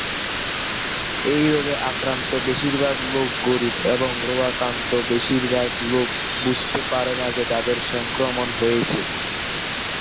এই রোগে আক্রান্ত বেশির ভাগ লোক গরিব এবং এই রোগাক্রান্ত বেশির ভাগ লোক বুঝতে পারেনা যে তাদের সংক্রমণ হয়েছে।